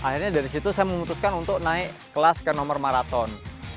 akhirnya dari situ saya memutuskan untuk naik kelas ke nomor maraton